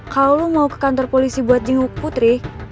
kalo lo mau ke kantor polisi buat jenguk putri